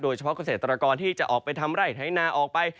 เฉพาะเกษตรกรที่จะออกไปทำไร่ไถนาออกไป